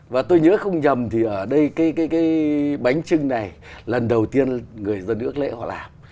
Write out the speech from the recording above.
và tôi nhớ không nhầm thì ở đây cái bánh trưng này lần đầu tiên người dân ước lễ họ làm